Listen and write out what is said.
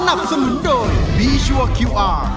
สนับสนุนโดยบีชัวร์คิวอาร์